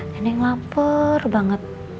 neneng lapar banget